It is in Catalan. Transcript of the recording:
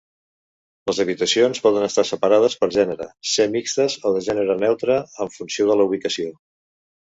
Les habitacions poden estar separades per gènere, ser mixtes o de gènere neutre, en funció de la ubicació.